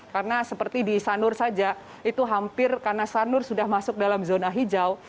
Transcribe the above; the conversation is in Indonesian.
karena seperti di sanur saja itu hampir karena sanur sudah masuk dalam zona hijau